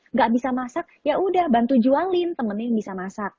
nggak bisa masak yaudah bantu jualin temennya yang bisa masak